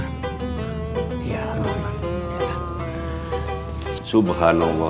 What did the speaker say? subhanallah subhanallah subhanallah